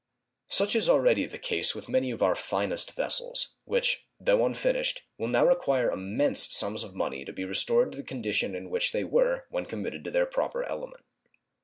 Such is already the case with many of our finest vessels, which, though unfinished, will now require immense sums of money to be restored to the condition in which they were when committed to their proper element.